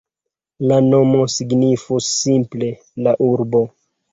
La nomo signifus simple "la urbo".